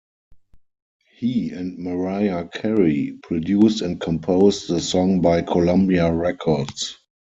He and Mariah Carey produced and composed the song by Columbia Records.